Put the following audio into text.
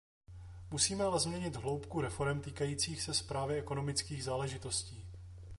Musíme ale změnit hloubku reforem týkajících se správy ekonomických záležitostí.